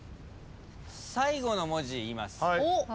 最後の文字言います。